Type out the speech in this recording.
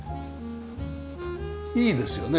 いいですよね？